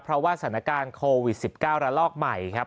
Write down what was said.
เพราะว่าสถานการณ์โควิด๑๙ระลอกใหม่ครับ